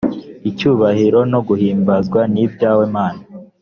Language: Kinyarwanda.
icyubahiro no guhimbazwa nibyawe mana.